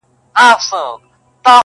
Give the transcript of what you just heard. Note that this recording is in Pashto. جانانه څوک ستا د زړه ورو قدر څه پیژني؛